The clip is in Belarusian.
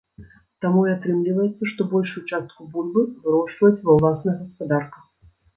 Таму і атрымліваецца, што большую частку бульбы вырошчваюць ва ўласных гаспадарках.